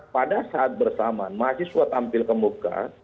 pada saat bersamaan mahasiswa tampil ke muka